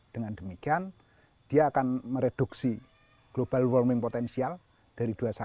dengan demikian dia akan mereduksi global warming potensial dari dua puluh satu